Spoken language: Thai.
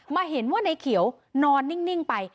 เห็นว่าในเขียวนอนนิ่งไป